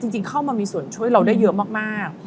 จริงเข้ามามีส่วนช่วยเราได้เยอะมาก